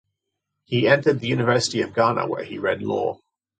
He entered the University of Ghana where he read Law.